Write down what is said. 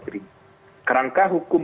pemilu yang terkasih adalah penggunaan kekuatan